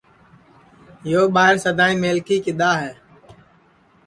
یو ٻائیر سدائیں میلکھی کِدؔا ہے